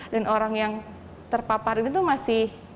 dan orang yang terpapar itu masih